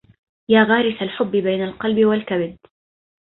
يا غارس الحب بين القلب والكبد